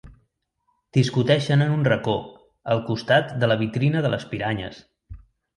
Discuteixen en un racó, al costat de la vitrina de les piranyes.